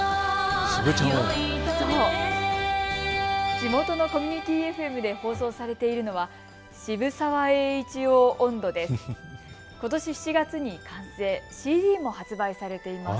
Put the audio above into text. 地元のコミュニティーＦＭで放送されているのは渋沢栄一翁音頭です。